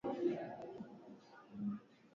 Kushindwa kutembea vizuri na kujiegemeza kwenye vitu